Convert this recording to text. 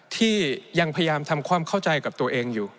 ที่ยังพยายามทำความเข้าใจกับตัวเองอยู่